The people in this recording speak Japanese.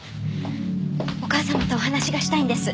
お母様とお話がしたいんです。